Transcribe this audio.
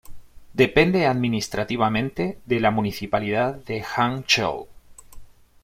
Depende administrativamente de la municipalidad de Hangzhou.